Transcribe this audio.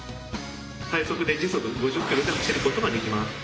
最速で時速５０ｋｍで走ることができます。